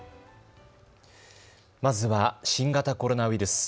まずは新型コロナウイルス。